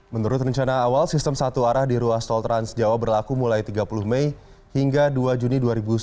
menurut rencana awal sistem satu arah di ruas tol trans jawa berlaku mulai tiga puluh mei hingga dua juni dua ribu sembilan belas